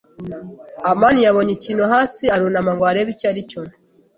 amani yabonye ikintu hasi arunama ngo arebe icyo aricyo.